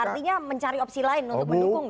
artinya mencari opsi lain untuk mendukung